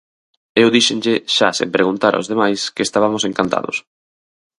Eu díxenlle xa sen preguntar aos demais que estabamos encantados.